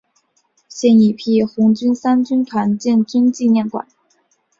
现已辟为红三军团建军纪念馆。